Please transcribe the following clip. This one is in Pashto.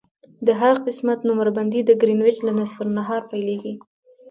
د هر قسمت نمره بندي د ګرینویچ له نصف النهار پیلیږي